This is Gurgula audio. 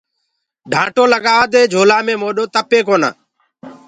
ڍآٽو لگآوآ دي جھولآ مي موڏو تپي ڪونآ۔